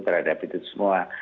terhadap itu semua